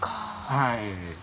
はい。